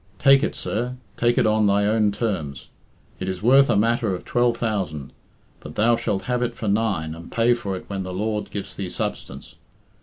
Take it, sir, take it on thy own terms; it is worth a matter of twelve thousand, but thou shalt have it for nine, and pay for it when the Lord gives thee substance.